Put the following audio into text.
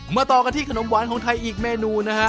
ต่อกันที่ขนมหวานของไทยอีกเมนูนะฮะ